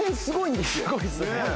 すごいですね。